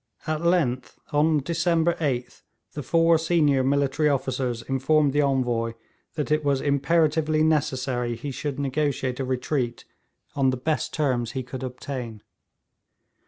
At length on December 8th the four senior military officers informed the Envoy that it was imperatively necessary he should negotiate a retreat, on the best terms he could obtain.